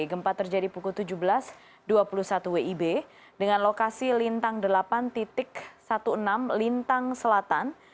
gempa terjadi pukul tujuh belas dua puluh satu wib dengan lokasi lintang delapan enam belas lintang selatan